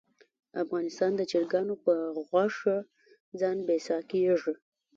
افغانستان د چرګانو په غوښه ځان بسیا کیږي